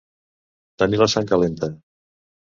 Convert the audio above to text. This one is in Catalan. Tenir la sang calenta.